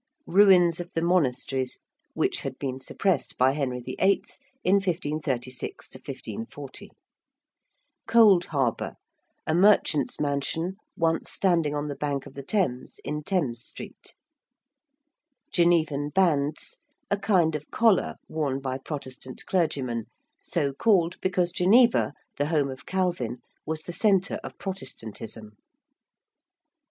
~ruins of the monasteries~ which had been suppressed by Henry VIII. in 1536 1540. ~Cold Harbour~: a merchant's mansion once standing on the bank of the Thames in Thames Street. ~Genevan bands~: a kind of collar worn by Protestant clergymen, so called because Geneva, the home of Calvin, was the centre of Protestantism.